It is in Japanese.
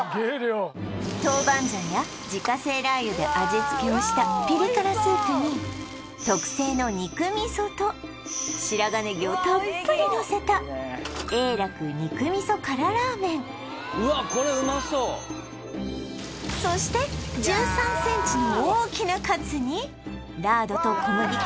豆板醤や自家製ラー油で味つけをしたピリ辛スープに特製の肉みそと白髪ネギをたっぷりのせたうわっそして１３ｃｍの大きなカツにラードと小麦粉